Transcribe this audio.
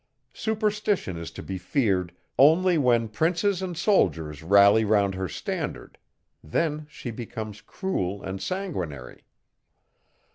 Superstition is to be feared only when princes and soldiers rally round her standard; then she becomes cruel and sanguinary.